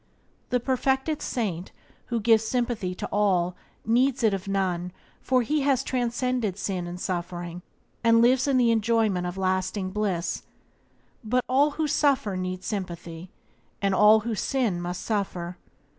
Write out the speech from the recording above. The perfected saint, who gives sympathy to all, needs it of none, for he has transcended sin and suffering, and lives in the enjoyment of lasting bliss; but all who suffer need sympathy, and all who sin must suffer.